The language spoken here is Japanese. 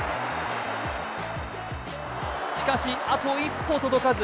しかし、あと一歩届かず。